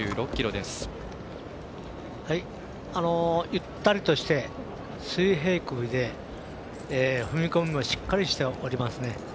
ゆったりとして水平首で踏み込みもしっかりしておりますね。